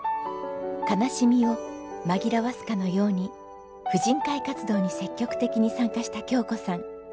悲しみを紛らわすかのように婦人会活動に積極的に参加した京子さん。